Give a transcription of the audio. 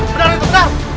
benar itu benar